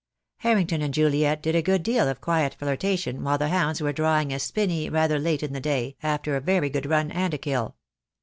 Harrington and Juliet did a good deal of quiet flirta tion while the hounds were drawing a spinney rather late in the day, after a very good run and a kill.